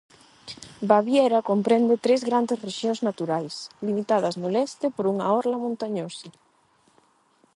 Baviera comprende tres grandes rexións naturais, limitadas no leste por unha orla montañosa.